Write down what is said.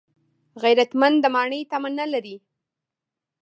غیرتمند د ماڼۍ تمه نه لري